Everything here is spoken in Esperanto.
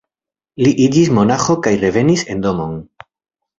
Li iĝis monaĥo kaj revenis en domon.